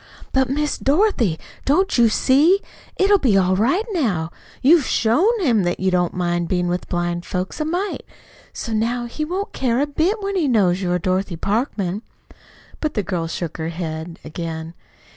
"But, Miss Dorothy, don't you see? It'll be all right, now. You've SHOWN him that you don't mind being with blind folks a mite. So now he won't care a bit when he knows you are Dorothy Parkman." But the girl shook her head again.